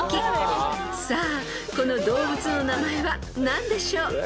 ［さあこの動物の名前は何でしょう］